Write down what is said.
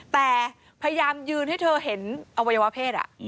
แต่พยายามยืนให้เธอเห็นอวัยวะเพศ